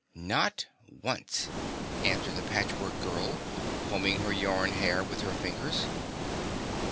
"Not once," answered the Patchwork Girl, combing her yarn hair with her fingers.